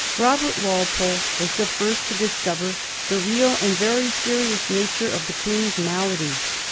Robert Walpole was the first to discover the real and the yery serious nature of the Queen's malady.